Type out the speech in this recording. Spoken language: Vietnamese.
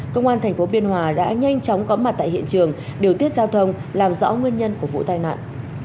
công an tp biên hòa đã nhanh chóng có mặt tại hiện trường điều tiết giao thông làm rõ nguyên nhân của vụ tai nạn